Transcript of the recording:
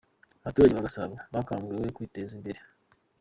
Abaturage ba Gasabo bakanguriwe kwiteza imbere